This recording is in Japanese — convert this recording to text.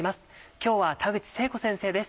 今日は田口成子先生です。